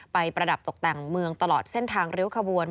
ประดับตกแต่งเมืองตลอดเส้นทางริ้วขบวน